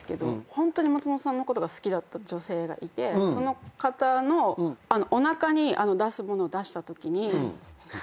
ホントに松本さんのことが好きだった女性がいてその方のおなかに出すもの出したときに。